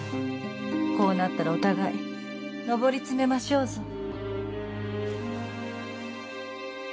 こうなったらお互い上り詰めましょうぞ。